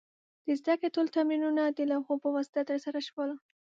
د زده کړې ټول تمرینونه د لوحو په واسطه ترسره شول.